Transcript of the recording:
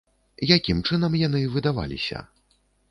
Якім чынам яны выдаваліся?